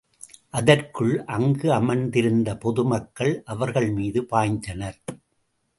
அதற்குள் அங்கு அமர்ந்திருந்த பொதுமக்கள் அவர்கள் மீது பாய்ந்தனர்.